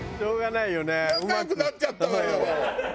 仲良くなっちゃったわよ。